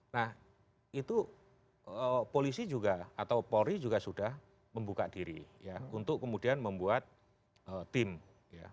nah itu polisi juga atau polri juga sudah membuka diri ya untuk kemudian membuat tim ya